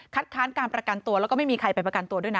ค้านการประกันตัวแล้วก็ไม่มีใครไปประกันตัวด้วยนะ